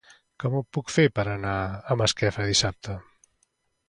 Com ho puc fer per anar a Masquefa dissabte?